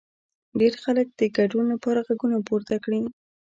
ډېر خلک د ګډون لپاره غږونه پورته کړي.